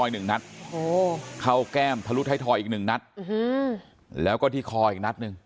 หนึ่งนัดโอ้โหเข้าแก้มทะลุท้ายทอยอีกหนึ่งนัดแล้วก็ที่คออีกนัดหนึ่ง